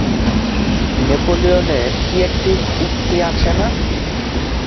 নোপোলিয়নের কী-একটি উক্তি আছে না।